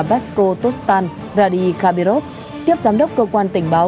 basko tostan radi khabirov tiếp giám đốc cơ quan tỉnh báo